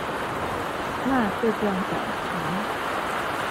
那這段感情